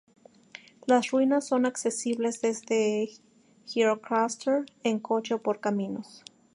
Las ruinas son accesibles desde Gjirokastër en coche o por caminos.